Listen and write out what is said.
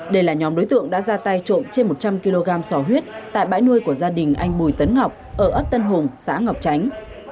đây là nhóm đối tượng đã ra tay trộm trên một trăm linh kg sò huyết tại bãi nuôi của gia đình anh bùi tấn ngọc ở ấp tân hùng xã ngọc chánh